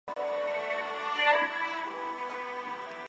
跟开店的姑妈一起住